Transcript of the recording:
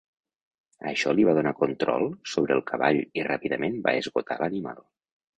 Això li va donar control sobre el cavall i ràpidament va esgotar l'animal.